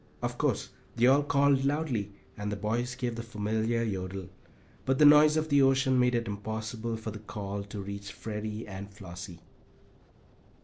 Of course they all called loudly, and the boys gave the familiar yodel, but the noise of the ocean made it impossible for the call to reach Freddie and Flossie.